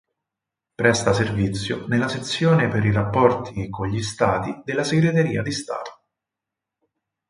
Presta servizio nella Sezione per i Rapporti con gli Stati della Segreteria di Stato.